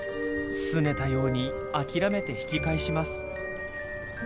すねたように諦めて引き返します。